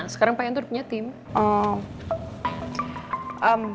sekarang pak yanto punya tim